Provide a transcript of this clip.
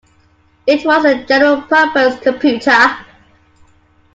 It was a general-purpose computer.